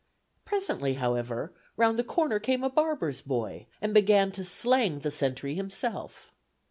Presently, however, round the corner came a barber's boy, and began to "slang" the sentry himself.